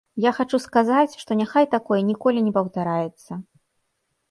Я хачу сказаць, што няхай такое ніколі не паўтараецца.